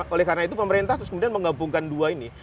oleh karena itu pemerintah terus kemudian menggabungkan dua ini